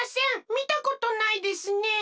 みたことないですね。